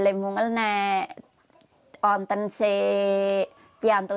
saya ingin membeli ini